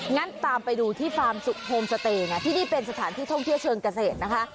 งั้นตามไปดูที่ฟาร์มสุขโฮมสเตย์นะที่นี่เป็นสถานที่ท่องเที่ยวเชิงเกษตรนะคะ